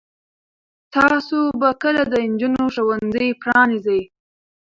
تاسو به کله د نجونو ښوونځي پرانیزئ؟